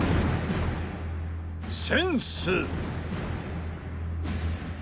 センス。